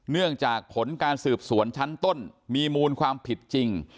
เนื่องจากผลการสืบสวนชั้นต้นมีมูลความผิดจริง